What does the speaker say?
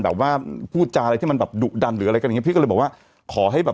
แบบว่าพูดจาอะไรที่มันแบบดุดันหรืออะไรกันอย่างเงพี่ก็เลยบอกว่าขอให้แบบ